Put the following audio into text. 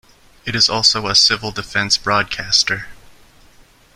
It is also a Civil Defence broadcaster.